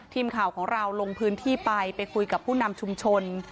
ทีมข่าวของเราลงพื้นที่ไปไปคุยกับผู้นำชุมชน